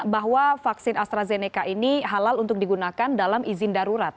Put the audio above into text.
bahwa vaksin astrazeneca ini halal untuk digunakan dalam izin darurat